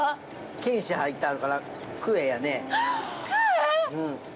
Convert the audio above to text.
犬歯が入ったあるから、クエやね。